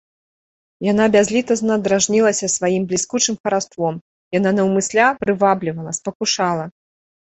Яна бязлітасна дражнілася сваім бліскучым хараством, яна наўмысля прываблівала, спакушала.